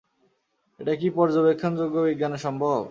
এটা কি পর্যবেক্ষণযোগ্য বিজ্ঞানে সম্ভব?